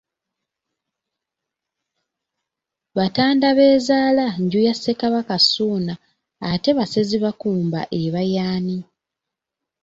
Batandabeezaala nju ya Ssekabaka Ssuuna, ate Basezibakumba eba y'ani?